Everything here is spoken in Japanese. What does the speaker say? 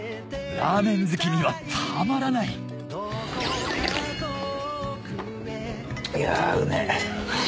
ラーメン好きにはたまらないいやうめぇ。